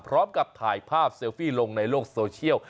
พร้อมกับถ่ายภาพเซลฟี่ลงในโลกโซเชียล